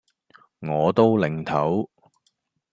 我都擰頭